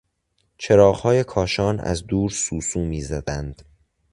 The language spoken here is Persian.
چراغهای کاشان از دور سوسو میزدند.